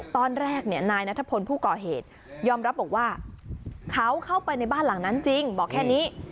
ตอนแรกนายนัทพลผู้ก่อเหตุยอมรับบอกว่าเขาเข้าไปในบ้านหลังนั้นจริงบอกแค่นี้